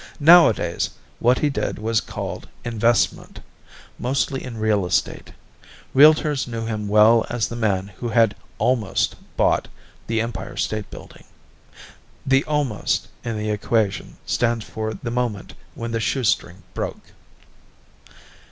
Nowadays what he did was called investment mostly in real estate; realtors knew him well as the man who had almost bought the Empire State Building. (The almost in the equation stands for the moment when the shoestring broke.)